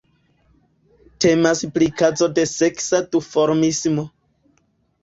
Temas pri kazo de seksa duformismo.